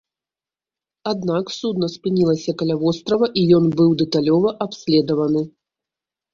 Аднак судна спынілася каля вострава, і ён быў дэталёва абследаваны.